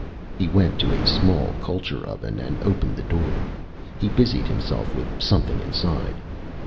He went to a small culture oven and opened the door. He busied himself with something inside.